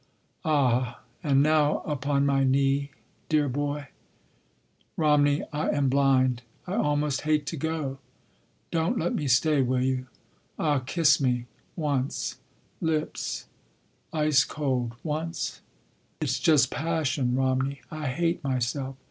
Ah, and now upon my knee ... dear boy ... Romney, I am blind. I almost hate to go. Don’t let me stay, will you? ... Ah, kiss me—once ... lips ... ice cold ... once? It isn’t true! It’s just passion, Romney! I hate myself.